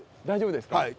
大丈夫ですか？